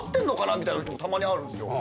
みたいなときたまにあるんすよ。